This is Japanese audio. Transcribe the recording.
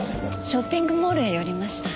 ショッピングモールへ寄りました。